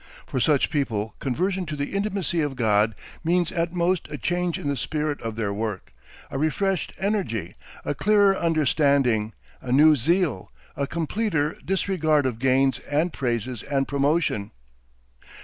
For such people conversion to the intimacy of God means at most a change in the spirit of their work, a refreshed energy, a clearer understanding, a new zeal, a completer disregard of gains and praises and promotion.